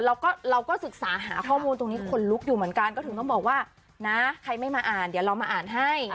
แล้วเราก็ศึกษาหาข้อมูลตรงนี้คนลุกอยู่เหมือนกัน